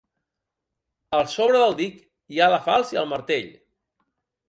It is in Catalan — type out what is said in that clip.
Al sobre del dic hi ha la falç i el martell.